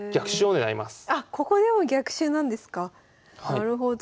なるほど。